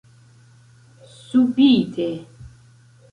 Subite.